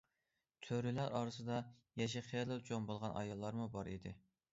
چۆرىلەر ئارىسىدا يېشى خېلىلا چوڭ بولغان ئاياللارمۇ بار ئىدى.